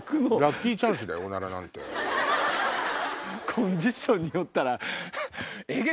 コンディションによったら。